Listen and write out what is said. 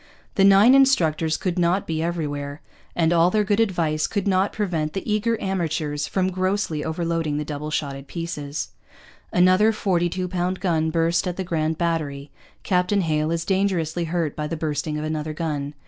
The nine instructors could not be everywhere; and all their good advice could not prevent the eager amateurs from grossly overloading the double shotted pieces. 'Another 42 pound gun burst at the Grand Battery.' 'Captain Hale is dangerously hurt by the bursting of another gun.